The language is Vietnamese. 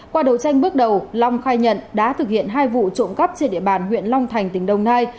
qua đấu tranh bước đầu long khai nhận đã thực hiện hai vụ trộm cắp trên địa bàn huyện long thành tỉnh đồng nai